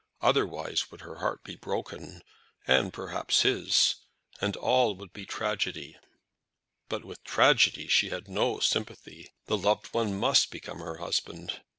Otherwise would her heart be broken, and perhaps his, and all would be tragedy. But with tragedy she had no sympathy. The loved one must become her husband.